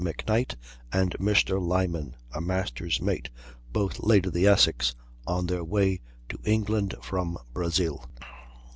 McKnight and Mr. Lyman, a master's mate, both late of the Essex, on their way to England from Brazil.